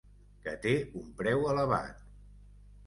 Que té un preu elevat.